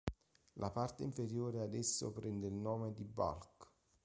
La parte inferiore ad esso prende il nome di "bulk".